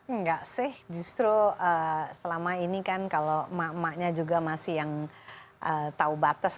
enggak sih justru selama ini kan kalau emak emaknya juga masih yang tahu batas